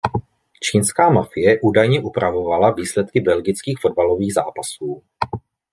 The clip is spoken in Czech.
Čínská mafie údajně upravovala výsledky belgických fotbalových zápasů.